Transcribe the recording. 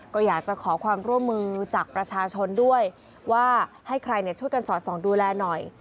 ก็อยากจะขอความร่วมมือจากประชาชนด้วยว่าให้ใครช่วยกันสอดส่องดูแลหน่อย